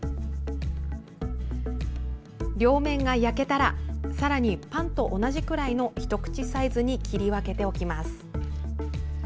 両面が焼けたらさらにパンと同じくらいの一口サイズに切り分けておきます。